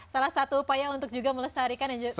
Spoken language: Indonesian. salah satu upaya untuk juga melestarikan dan menjaga lingkungan